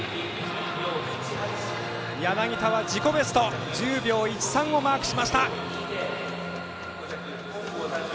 柳田は自己ベスト１０秒１３をマークしました。